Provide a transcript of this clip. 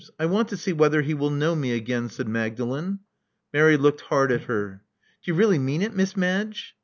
I want to see whether he will know me again," said Magdalen. Mary looked hard at her. "D'ye really mean it. Miss Madge?"